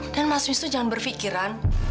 dan mas wisnu jangan berfikiran